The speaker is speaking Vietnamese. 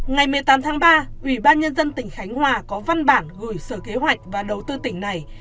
ngày một mươi tám tháng ba ủy ban nhân dân tỉnh khánh hòa có văn bản gửi sở kế hoạch và đầu tư tỉnh này